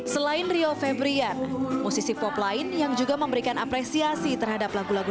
selain rio febrian musisi pop lain yang juga memberikan apresiasi terhadap lagu lagu